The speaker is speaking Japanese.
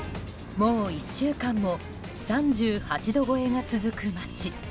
もう１週間も３８度超えが続く町